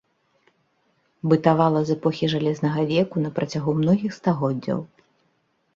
Бытавала з эпохі жалезнага веку на працягу многіх стагоддзяў.